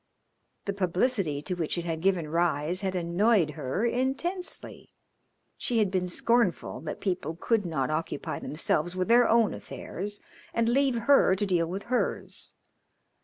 The publicity to which it had given rise had annoyed her intensely; she had been scornful that people could not occupy themselves with their own affairs and leave her to deal with hers.